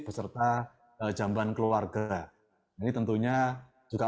beserta jamban keluarga ini tentunya juga